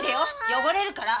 汚れるから。